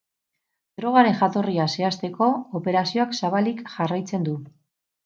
Drogaren jatorria zehazteko operazioak zabalik jarraitzen du.